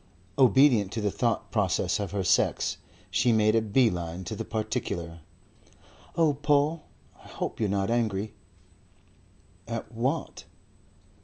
Obedient to the thought processes of her sex, she made a bee line to the particular. "Oh, Paul, I hope you're not angry." "At what?"